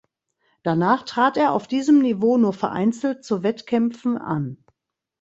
Danach trat er auf diesem Niveau nur vereinzelt zu Wettkämpfen an.